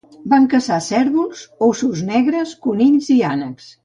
Van caçar cérvols, ossos negres, conills i ànecs.